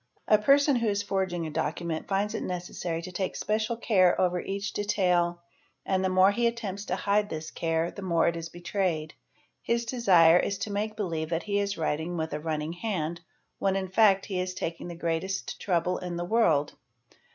__ A person who is forging a document finds it necessary to take special 'care over each detail and the more he attempts to hide this care the more 'is it betrayed: his desire is to make believe that he is writing with a run ning hand when in fact he is taking the greatest trouble in the world.